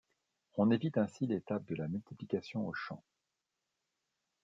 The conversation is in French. On évite ainsi l'étape de la multiplication au champ.